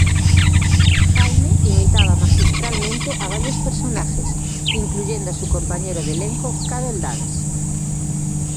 Jaime imitaba magistralmente a varios personajes, incluyendo a su compañero de elenco, Karol Dance.